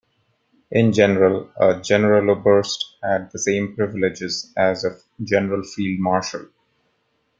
In general, a Generaloberst had the same privileges as a general field marshal.